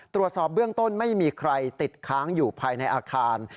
ตรวจสอบเบื้องต้นไม่มีใครติดค้างอยู่ภายในอาคาร